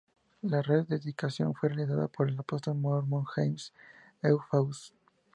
La re-dedicación fue realizada por el apóstol mormón James E. Faust.